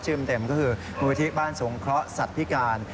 เต็มก็คือมูลที่บ้านสงเคราะห์สัตว์พิการ